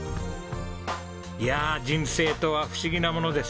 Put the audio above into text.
いやあ人生とは不思議なものです。